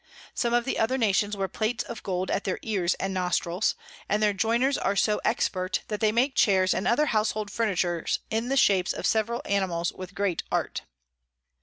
Some of the other Nations wear Plates of Gold at their Ears and Nostrils; and their Joiners are so expert, that they make Chairs and other Houshold Furniture in the shapes of several Animals with great Art.